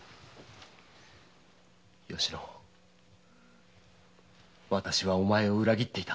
よし乃私はお前を裏切っていた。